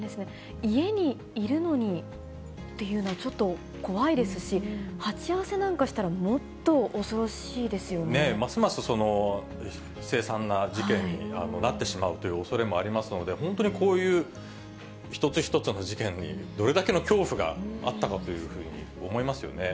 家にいるのにっていうの、ちょっと怖いですし、鉢合わせなんかしねえ、ますます凄惨な事件になってしまうというおそれもありますので、本当にこういう一つ一つの事件にどれだけの恐怖があったかというふうに思いますよね。